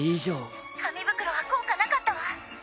紙袋は効果なかったわ。